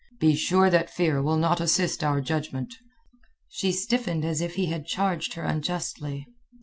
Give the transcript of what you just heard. Be sure that fear will not assist our judgment." She stiffened as if he had charged her unjustly.